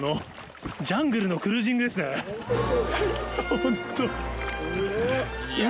ホント。